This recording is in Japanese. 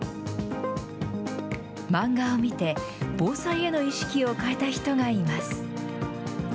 漫画を見て、防災への意識を変えた人がいます。